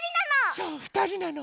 そうふたりなの。